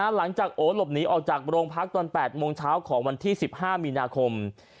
หลังจากโอหลบหนีออกจากโรงพักตอน๘โมงเช้าของวันที่๑๕มีนาคม